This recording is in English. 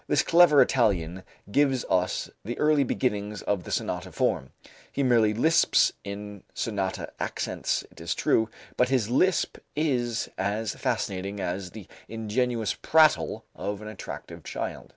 This clever Italian gives us the early beginnings of the sonata form. He merely lisps in sonata accents, it is true, but his lisp is as fascinating as the ingenuous prattle of an attractive child.